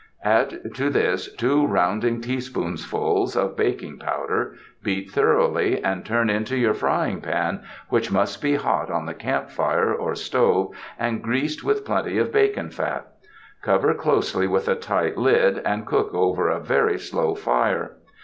Add to this two rounding teaspoonfuls of baking powder; beat thoroughly, and turn into your frying pan, which must be hot on the camp fire or stove and greased with plenty of bacon fat. Cover closely with a tight lid and cook over a very slow fire.